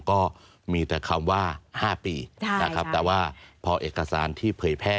ก็มีแต่คำว่า๕ปีนะครับแต่ว่าพอเอกสารที่เผยแพร่